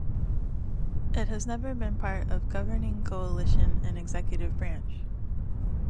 It has never been part of governing coalition in executive branch.